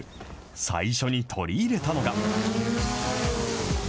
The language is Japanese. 最初に取り入れたのが。